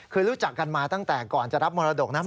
คือรู้จักกันมาตั้งแต่ก่อนจะรับมรดกนะ